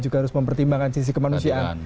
juga harus mempertimbangkan sisi kemanusiaan